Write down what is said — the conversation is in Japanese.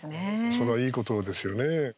それは、いいことですよね。